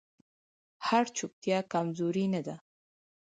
هره چوپتیا کمزوري نه ده